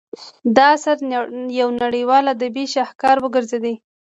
دا اثر یو نړیوال ادبي شاهکار وګرځید.